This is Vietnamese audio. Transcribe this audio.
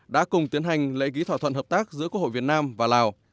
đã cùng tiến hành lễ ký thỏa thuận hợp tác giữa quốc hội việt nam và lào